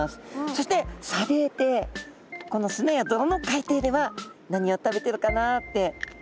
そして砂泥底この砂や泥の海底では何を食べてるかなって。